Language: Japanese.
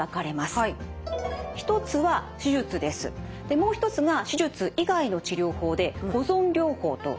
もう一つが手術以外の治療法で保存療法といいます。